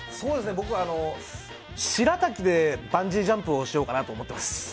僕は、しらたきでバンジージャンプをやろうかなと思っています。